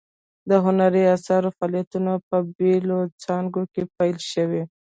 د هنري اثارو فعالیتونه په بیلو څانګو کې پیل شول.